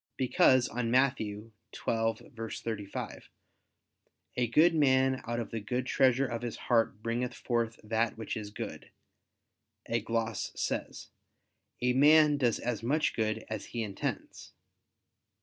Because on Matt. 12:35, "A good man out of the good treasure of his heart bringeth forth that which is good," a gloss says: "A man does as much good as he intends."